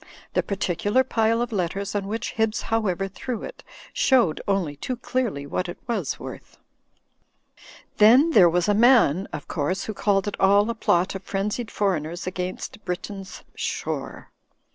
The particular pile of letters on which Hibbs However threw it, showed only too clearly what it was worth. Then there was a man, of course, who called it all a plot of frenzied foreigners against Britain's shore.